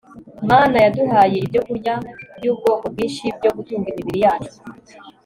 mana yaduhaye ibyokurya by'ubwoko bwinshi byo gutunga imibiri yacu